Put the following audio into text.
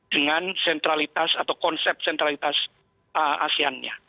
dengan sentralitas atau konsep sentralitas asean nya